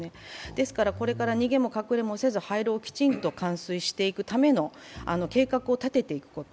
ですから、これから逃げも隠れもせず廃炉をきちんと完遂していくための計画を立てていくこと。